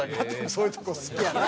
そういうとこ好きやな。